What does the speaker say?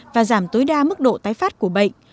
và giảm tối đa mức độ tái phát của bệnh